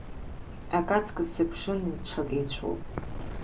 Ак аҵкыс, сыԥшын, ҽак еицәоуп.